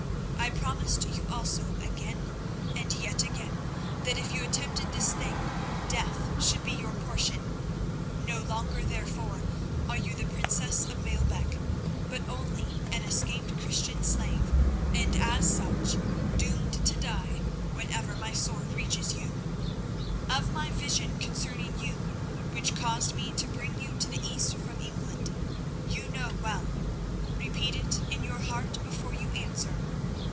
I promised you also, again and yet again, that if you attempted this thing, death should be your portion. No longer, therefore, are you the princess of Baalbec, but only an escaped Christian slave, and as such doomed to die whenever my sword reaches you. "Of my vision concerning you, which caused me to bring you to the East from England, you know well. Repeat it in your heart before you answer.